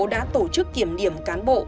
đã tổ chức kiểm điểm cán bộ